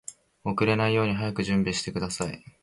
遅れないように早く準備しなさい